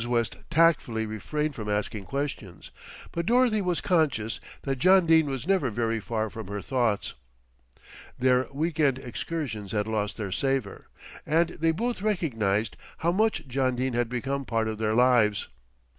West tactfully refrained from asking questions; but Dorothy was conscious that John Dene was never very far from her thoughts. Their week end excursions had lost their savour, and they both recognised how much John Dene had become part of their lives.